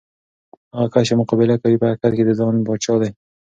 هغه کس چې مقابله کوي، په حقیقت کې د ځان پاچا دی.